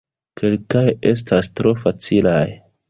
Kelkaj estas tro facilaj.